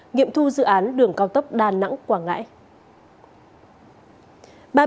nghiệm thu dự án đường cao tốc đà nẵng quảng ngãi